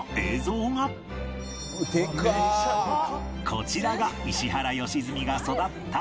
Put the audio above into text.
こちらが石原良純が育った自宅